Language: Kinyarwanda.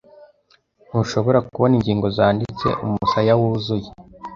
Ntushobora kubona ingingo zanditse, umusaya wuzuye,